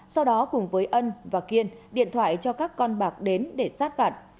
sau đó cùng với ân và kiên điện thoại cho các con bạc đến để sát vạt